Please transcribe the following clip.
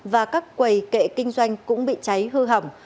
và các quầy kệ kinh doanh cũng bị cháy hư hỏng